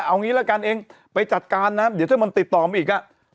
เอางี้ละกันเองไปจัดการนะเดี๋ยวถ้ามันติดต่อมาอีกอ่ะ